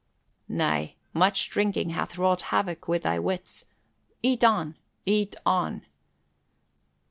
"Nay, much drinking hath wrought havoc with thy wits. Eat on, eat on!"